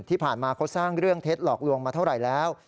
ที่ผ่านมาเขาสร้างเรื่องเท็จหลอกลวงมาเท่าไหร่แล้ว